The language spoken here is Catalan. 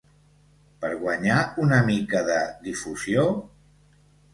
Per guanyar una mica de difusió?